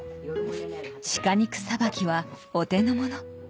シカ肉さばきはお手のもの・